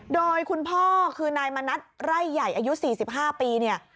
โดยคุณพ่อคือนายมณัฐไร่ใหญ่อายุ๔๕ปีเนี่ย